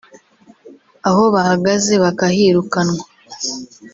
aho bahagaze bakahirukanwa